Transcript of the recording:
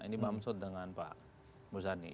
ini mbak amsot dengan pak bosani